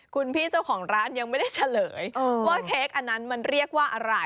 คุณพี่เจ้าของร้านยังไม่ได้เฉลยว่าเค้กอันนั้นมันเรียกว่าอะไร